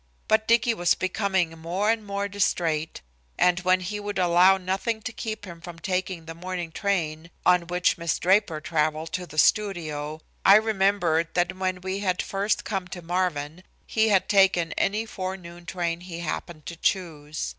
But Dicky was becoming more and more distrait, and when he would allow nothing to keep him from taking the morning train on which Miss Draper traveled to the studio, I remembered that when we had first come to Marvin he had taken any forenoon train he happened to choose.